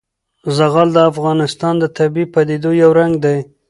زغال د افغانستان د طبیعي پدیدو یو رنګ دی.